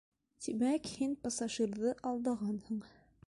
Тимәк, һин пассажирҙы алдағанһың!